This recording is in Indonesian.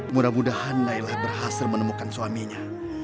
mudah mudahan naila berhasil menemukan suaminya